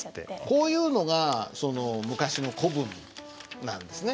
こういうのがその昔の古文なんですね。